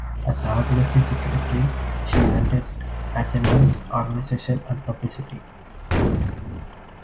As the organizing secretary, she handled agendas, organization and publicity.